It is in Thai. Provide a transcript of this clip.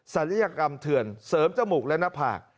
ศัลยกรรมเถื่อนเสริมจมูกและหน้าผาก